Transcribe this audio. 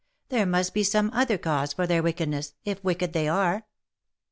There must be some other cause for their wickedness, if wicked they are."